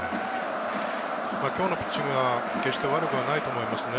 今日のピッチングは決して悪くはないと思います。